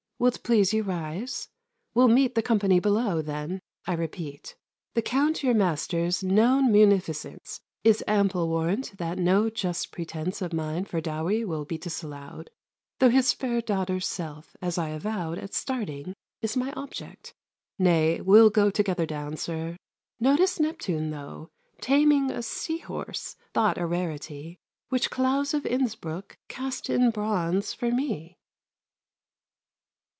Will't please you rise? We'll meet The company below, then. I repeat, The Count your master's known munificence Is ample warrant that no just pretence 50 Of mine for dowry will be disallowed; Though his fair daughter's self, as I avowed At starting, is my object. Nay, we'll go Together down, sir. Notice Neptune, though, Taming a sea horse, thought a rarity, Which Claus of Innsbruck cast in bronze for me!